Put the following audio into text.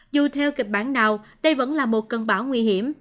dù theo kịch bản nào đây vẫn là một cơn bão nguy hiểm